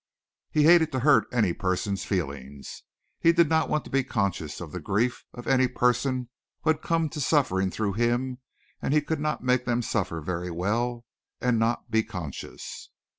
He hated to hurt any person's feelings. He did not want to be conscious of the grief of any person who had come to suffering through him and he could not make them suffer very well and not be conscious.